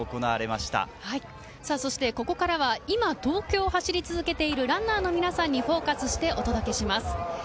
ここからは今、東京を走り続けているランナーの皆さんにフォーカスしてお届けします。